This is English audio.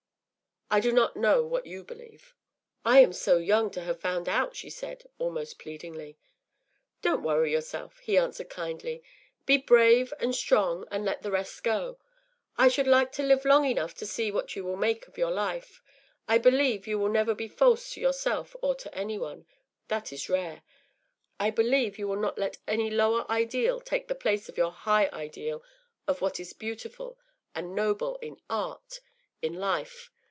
I do not know what you believe.” “I am so young to have found out,” she said, almost pleadingly. “Don’t worry yourself,” he answered, kindly. “Be brave and strong, and let the rest go. I should like to live long enough to see what you will make of your life. I believe you will never be false to yourself or to any one. That is rare. I believe you will not let any lower ideal take the place of your high ideal of what is beautiful and noble in art, in life.